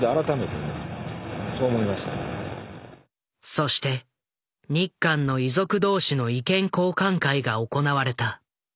そして日韓の遺族同士の意見交換会が行われた。